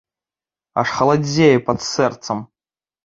Аж халадзее пад сэрцам.